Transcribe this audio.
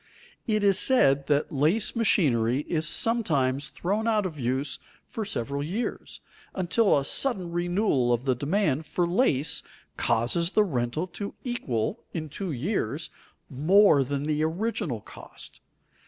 It is said that lace machinery is sometimes thrown out of use for several years, until a sudden renewal of the demand for lace causes the rental to equal, in two years, more than the original cost.